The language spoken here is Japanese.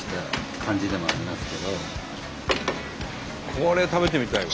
これ食べてみたいわ。